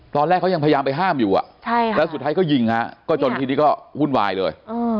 ตอนแรกเขายังพยายามไปห้ามอยู่แล้วสุดท้ายก็ยิงฮะก็จนทีนี้ก็วุ่นวายเลย